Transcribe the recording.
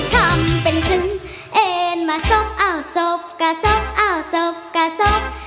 ทำเป็นซึ้งเอ็นมาซบเอ้าซบกะซบเอ้าซบกะซบ